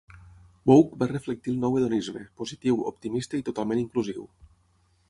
"Vogue" va reflectir el nou hedonisme; positiu, optimista i totalment inclusiu.